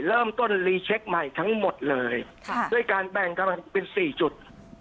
เริ่มต้นรีเช็คใหม่ทั้งหมดเลยด้วยการแบ่งกำลังเป็นสี่จุด